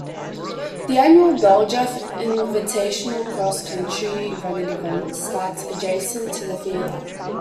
The annual Bell-Jeff Invitational cross country running event starts adjacent to the theater.